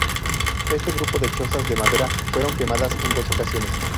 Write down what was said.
Este grupo de chozas de madera fueron quemadas en dos ocasiones.